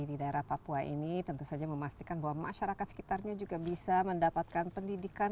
di daerah papua ini tentu saja memastikan bahwa masyarakat sekitarnya juga bisa mendapatkan pendidikan